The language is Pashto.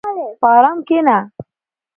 په ارام کښېنه.